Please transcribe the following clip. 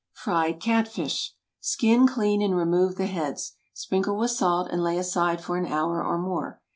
FRIED CAT FISH. ✠ Skin, clean, and remove the heads. Sprinkle with salt, and lay aside for an hour or more.